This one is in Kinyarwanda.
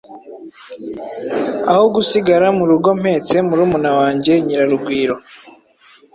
Aho gusigara mu rugo mpetse murumuna wange Nyirarugwiro,